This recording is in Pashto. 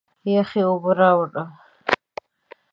یخي اوبه راړه!